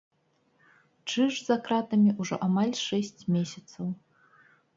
Чыж за кратамі ўжо амаль шэсць месяцаў.